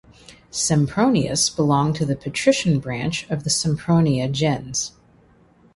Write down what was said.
Sempronius belonged to the patrician branch of the Sempronia gens.